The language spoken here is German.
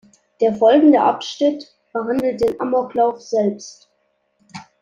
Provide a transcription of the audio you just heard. Der folgende Abschnitt behandelt den Amoklauf selbst.